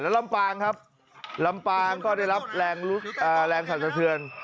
ลำปางครับลำปางก็ได้รับแรงสรรสะเทือน